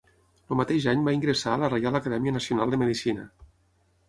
El mateix any va ingressar a la Reial Acadèmia Nacional de Medicina.